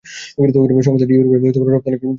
সংস্থাটি ইউরোপে চিনি রপ্তানি করার চেষ্টা করছে।